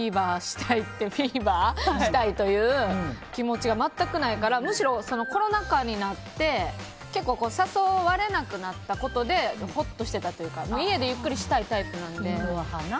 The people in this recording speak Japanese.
フィーバーしたいという気持ちが全くないからむしろ、コロナ禍になって誘われなくなったことでほっとしていたというか家でゆっくりしたいタイプなので。